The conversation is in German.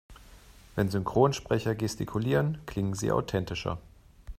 Wenn Synchronsprecher gestikulieren, klingen sie authentischer.